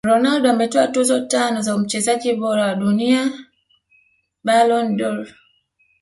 Ronaldo ametwaa tuzo tano za mchezaji bora wa dunia Ballon dOr